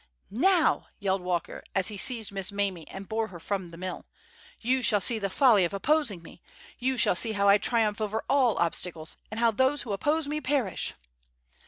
"Now," yelled Walker, as he seized Miss Mamie and bore her from the mill, "you shall see the folly of opposing me! You shall see how I triumph over all obstacles, and how those who oppose me perish!"